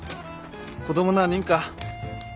子供何人か？